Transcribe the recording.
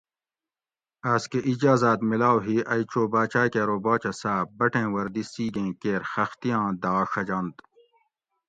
آۤس کہ اجازاۤت میلاؤ ہی ائی چو باچاۤ کہ ارو باچہ صاۤب بٹیں وردی سِگیں کیر خختی آں داۤ ڛجنت